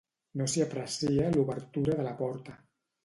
No s'hi aprecia l'obertura de la porta.